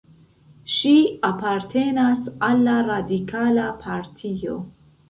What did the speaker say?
Ŝi apartenas al la radikala partio.